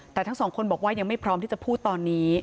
แต่ทั้งสองคนบอกว่ายังไม่พร้อมที่จะพูดตอนนี้